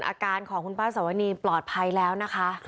อาการของคุณป้าสวนีปลอดภัยแล้วนะคะ